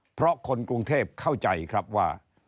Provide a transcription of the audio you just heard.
เพราะคนกรุงเทพเข้าใจครับว่า